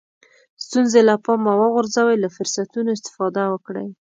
ستونزې له پامه وغورځوئ له فرصتونو استفاده وکړئ.